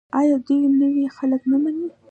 آیا دوی نوي خلک نه مني؟